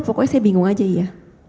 pokoknya saya bingung aja iya